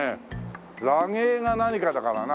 「ラゲー」が何かだからな。